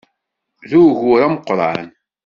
D ugur ameqqran!